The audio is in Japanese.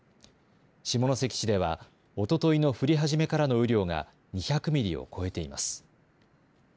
下関市ではおとといの降り始めからの雨量が２００ミリを超えています。